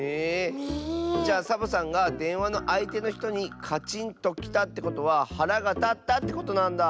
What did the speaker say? じゃあサボさんがでんわのあいてのひとにカチンときたってことははらがたったってことなんだ。